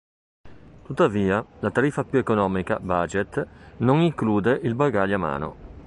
Tuttavia, la tariffa più economica "Budget" non include il bagaglio a mano.